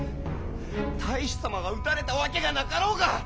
太守様が討たれたわけがなかろうが！